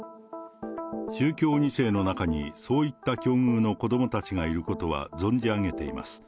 宗教２世の中にそういった境遇の子どもたちがいることは存じ上げています。